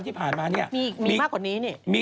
จากธนาคารกรุงเทพฯ